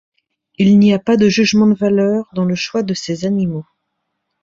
Il n'y a pas de jugement de valeur dans le choix de ces animaux.